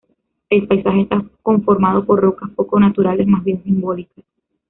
El paisaje está conformado por rocas poco naturales, más bien simbólicas.